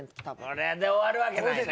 これで終わるわけないよな。